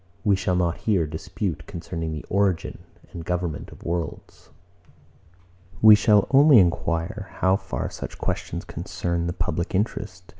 We shall not here dispute concerning the origin and government of worlds. We shall only enquire how far such questions concern the public interest.